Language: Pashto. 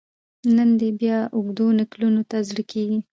نن دي بیا اوږدو نکلونو ته زړه کیږي